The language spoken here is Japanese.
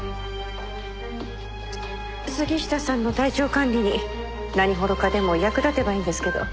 杉下さんの体調管理に何ほどかでも役立てばいいんですけど。